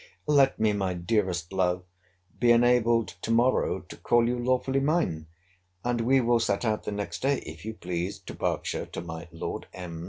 Let me, my dearest love, be enabled to morrow to call you lawfully mine, and we will set out the next day, if you please, to Berkshire to my Lord M.